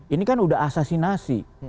ini kan udah asasinasi